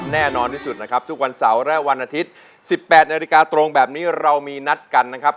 ในนาฬิกาตรงแบบนี้เรามีนัดกันนะครับ